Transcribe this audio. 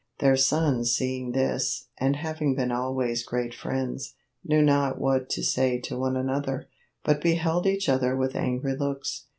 Their Sonnes seeing this, and having been alwayes great friends, knew not what to say to one another, but beheld each other with angry lookes.